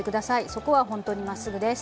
そこはほんとにまっすぐです。